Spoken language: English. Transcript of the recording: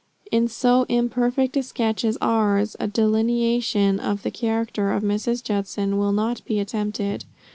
In so imperfect a sketch as ours, a delineation of the character of Mrs. Judson will not be attempted.